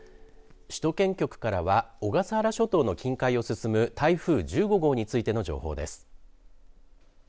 首都圏局からは小笠原諸島の近海を進む台風１５号についての情報です。